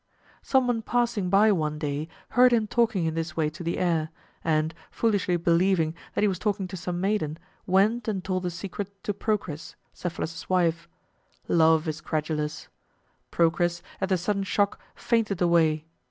Some one passing by one day heard him talking in this way to the air, and, foolishly believing that he was talking to some maiden, went and told the secret to Procris, Cephalus's wife. Love is credulous. Procris, at the sudden shock, fainted away.